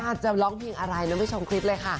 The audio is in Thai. อาจจะร้องเพลงอะไรลองไปชมคลิปเลยค่ะ